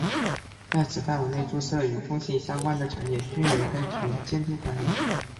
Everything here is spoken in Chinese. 在此范围内注册的与通信相关的产业均由该局监督管理。